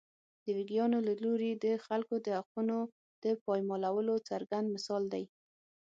د ویګیانو له لوري د خلکو د حقونو د پایمالولو څرګند مثال دی.